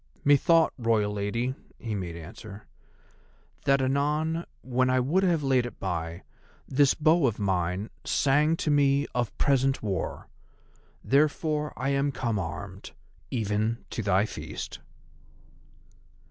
"Methought, Royal Lady," he made answer, "that anon when I would have laid it by, this bow of mine sang to me of present war. Therefore I am come armed—even to thy feast."